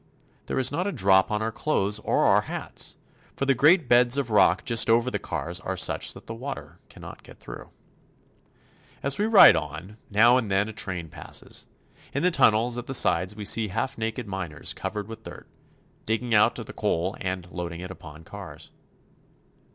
There is not a drop on our clothes or our hats, for the great beds of rock just over the cars are such that the water cannot get through. As we ride on, now and then a train passes. In the tunnels at the sides we see half naked miners covered with dirt, digging out the coal and loading it upon cars.